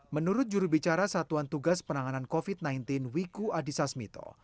menurut jurubicara satuan tugas penanganan covid sembilan belas wiku adhisa smito